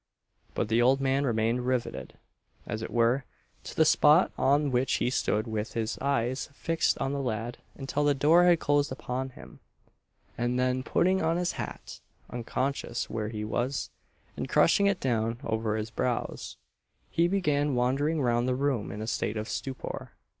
But the old man remained rivetted, as it were, to the spot on which he stood with his eyes fixed on the lad until the door had closed upon him; and then putting on his hat, unconscious where he was, and crushing it down over his brows, he began wandering round the room in a state of stupor.